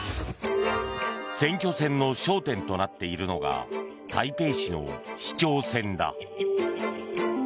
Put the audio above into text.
選挙戦の焦点となっているのが台北市の市長選だ。